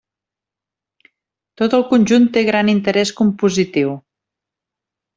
Tot el conjunt té gran interès compositiu.